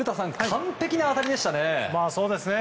完璧な当たりでしたね。